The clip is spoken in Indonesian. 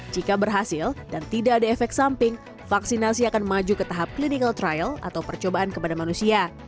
jika berhasil dan tidak ada efek samping vaksinasi akan maju ke tahap clinical trial atau percobaan kepada manusia